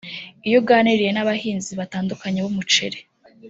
Iyo uganiriye n’abahinzi batandukanye b’umuceli